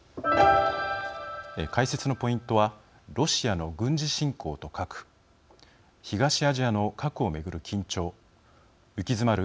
解説のポイントはロシアの軍事侵攻と核東アジアの核を巡る緊張行き詰まる